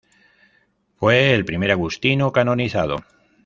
Fue el primer agustino canonizado.